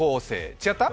違った？